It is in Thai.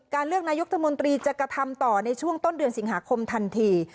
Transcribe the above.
เลือกนายกรัฐมนตรีจะกระทำต่อในช่วงต้นเดือนสิงหาคมทันที